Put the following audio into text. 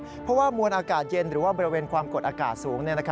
เพราะว่ามวลอากาศเย็นหรือว่าบริเวณความกดอากาศสูง